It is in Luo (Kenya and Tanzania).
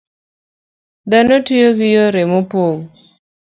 Dhano tiyo gi yore mopog